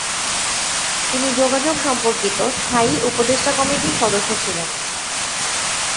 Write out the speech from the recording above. তিনি যোগাযোগ সম্পর্কিত স্থায়ী উপদেষ্টা কমিটির সদস্য ছিলেন।